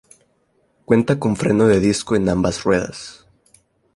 Cuenta con freno de disco en ambas ruedas.